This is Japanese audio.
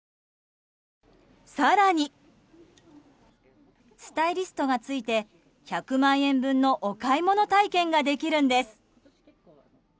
更に、スタイリストがついて１００万円分のお買い物体験ができるんです。